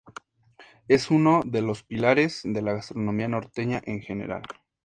Es uno de los pilares de la gastronomía norteña en general.